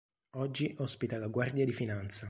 Oggi ospita la Guardia di Finanza.